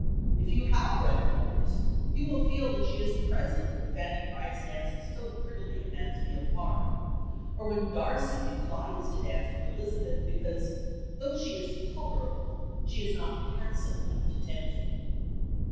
If you have read her letters you will feel that she is present when Fanny Price dances so prettily at Mansfield Park, or when Darcy declines to dance with Elizabeth because though she is "tolerable," she is "not handsome enough" to tempt him.